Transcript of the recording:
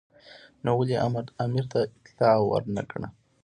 نو ولې یې امیر ته اطلاع ور نه کړه.